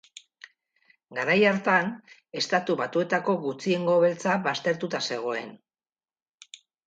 Garai hartan Estatu Batuetako gutxiengo beltza baztertuta zegoen.